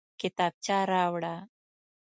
کتابچه راوړه